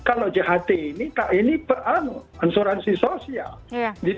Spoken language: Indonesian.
kalau cht ini ini peransuransi sosial